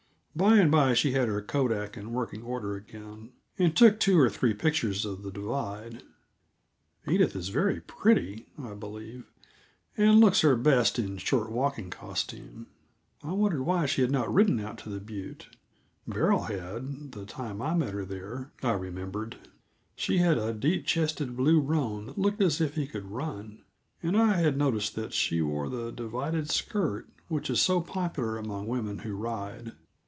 By and by she had her kodak in working order again, and took two or three pictures of the divide. Edith is very pretty, I believe, and looks her best in short walking costume. I wondered why she had not ridden out to the butte; Beryl had, the time I met her there, I remembered. She had a deep chested blue roan that looked as if he could run, and I had noticed that she wore the divided skirt, which is so popular among women who ride.